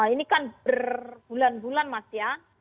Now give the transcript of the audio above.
ini kan berbulan bulan mas ya